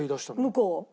向こう。